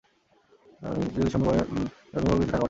যদি সম্ভব হয়, অনুগ্রহ করে কিছু টাকা পাঠাবেন।